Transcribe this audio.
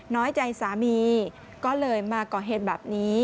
น้อยใจสามีก็เลยมาก่อเหตุแบบนี้